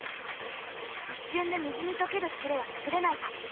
「一瞬で水に溶ける袋は作れないか」。